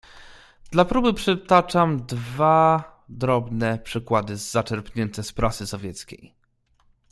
"Dla próby przytaczam dwa drobne przykłady, zaczerpnięte z prasy sowieckiej."